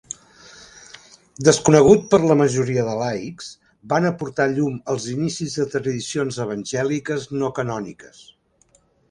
Desconegut per la majoria de laics, van aportar llum als inicis de tradicions evangèliques no canòniques.